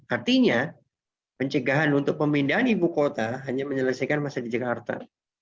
artinya pencegahan untuk pemindahan ibu kota hanya menyelesaikan masalah di jakarta